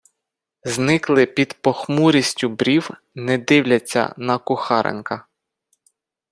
Зникли під похмурістю брів, не дивляться на Кухаренка.